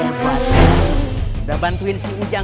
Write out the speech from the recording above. udah bantuin si ujang